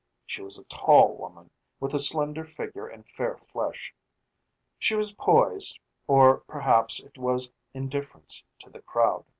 She was a tall woman, with a slender figure and fair flesh. She was poised, or perhaps it was indifference to the crowd.